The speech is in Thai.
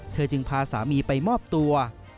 จึงพาสามีไปมอบตัว